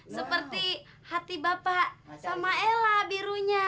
seperti hati bapak sama ella birunya